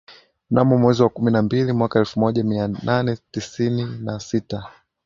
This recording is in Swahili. Mnamo mwezi wa kumi na mbili mwaka elfu moja mia nane tisini na sita